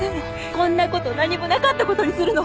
こんな事何もなかった事にするの。